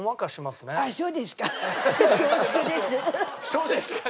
そうですか？